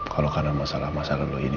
kalau karena masalah masalah lalu ini